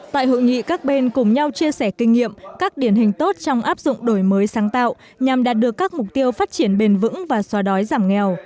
tại hội nghị các bên cùng nhau chia sẻ kinh nghiệm các điển hình tốt trong áp dụng đổi mới sáng tạo nhằm đạt được các mục tiêu phát triển bền vững và xóa đói giảm nghèo